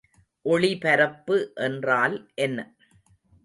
ஒளிபரப்பு என்றால் என்ன?